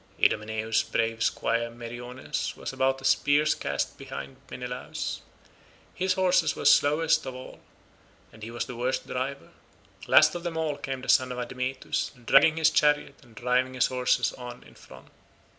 Idomeneus's brave squire Meriones was about a spear's cast behind Menelaus. His horses were slowest of all, and he was the worst driver. Last of them all came the son of Admetus, dragging his chariot and driving his horses on in front.